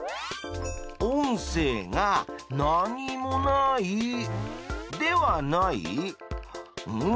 「音声が何もない」「ではない」？ん？